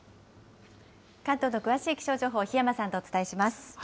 関東の詳しい気象情報、檜山さんとお伝えします。